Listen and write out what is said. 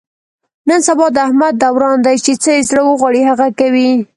نن سبا د احمد دوران دی، چې څه یې زړه و غواړي هغه کوي.